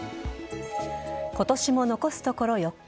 今年も残すところ４日。